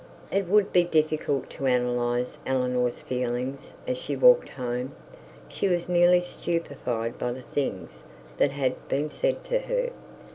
It would be difficult to analyse Eleanor's feelings as she walked home. She was nearly stupefied by the things that had been said to her.